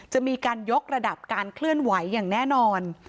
จะมีการยกระดับการเคลื่อนไหวอย่างแน่นอน